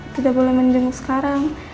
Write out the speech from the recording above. tidak boleh menjemut sekarang